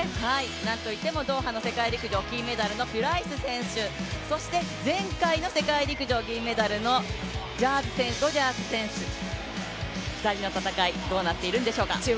なんといってもドーハの世界陸上金メダルのプライス選手そして、前回の世界陸上銀メダルのロジャーズ選手、２人の戦いどうなっているんでしょうか。